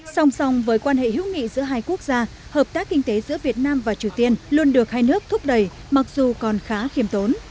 song song với quan hệ hữu nghị giữa hai quốc gia hợp tác kinh tế giữa việt nam và triều tiên luôn được hai nước thúc đẩy mặc dù còn khá khiêm tốn